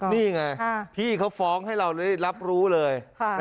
นี่ไงพี่เขาฟ้องให้เราได้รับรู้เลย